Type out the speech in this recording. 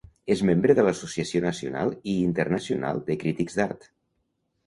És membre de l'Associació Nacional i Internacional de Crítics d'Art.